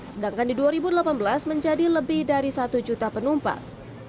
sedangkan di dua ribu delapan belas menjadi lebih dari satu juta penumpang